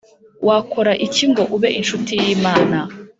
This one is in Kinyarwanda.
Wakora iki ngo ube incuti y Imana